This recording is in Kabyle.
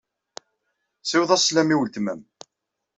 Ssiweḍ-as sslam i weltma-m.